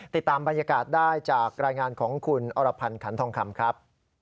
ติดตามบรรยากาศได้จากรายงานของคุณอรพันธ์ขันทองคำครับ